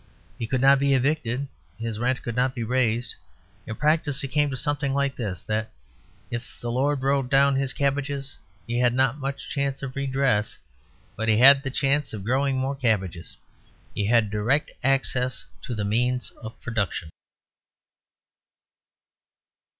He could not be evicted; his rent could not be raised. In practice, it came to something like this: that if the lord rode down his cabbages he had not much chance of redress; but he had the chance of growing more cabbages. He had direct access to the means of production.